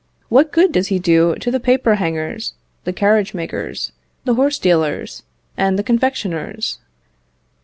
What good does he do to the paper hangers, the carriage makers, the horse dealers, and the confectioners?"